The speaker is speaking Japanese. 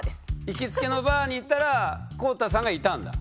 いきつけのバーに行ったら公太さんがいたんだ？